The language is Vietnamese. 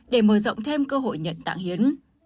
để mở rộng thêm cơ hội nhận tạng hiến